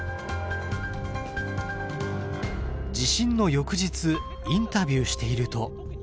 地震の翌日インタビューしていると。